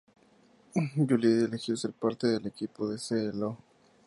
Juliet eligió ser parte del equipo de Cee-Lo.